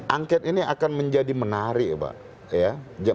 angket ini akan menjadi menarik pak